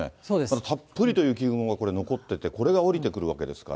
たっぷりと雪雲が残ってて、これが降りてくるわけですから。